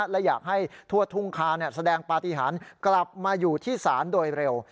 และอยากให้ทั่วทุ่งคาแสดงปฏิหารกลับมาอยู่ที่ศาลโดยเร็ว